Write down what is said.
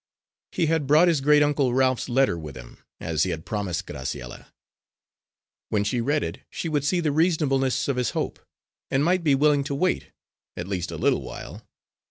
He had brought his great uncle Ralph's letter with him, as he had promised Graciella. When she read it, she would see the reasonableness of his hope, and might be willing to wait, at least a little while.